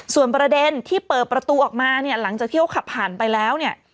ส่วนประเด็นที่เปิดประตูออกมาเนี่ยหลังจากที่เขาขับผ่านไปแล้วเนี่ย